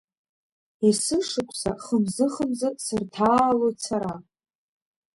Есышықәса хымзы-хымзы Сырҭаалоит сара.